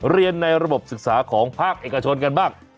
เรียนในระบบศึกษาของภาคเอกชนกันบ้าง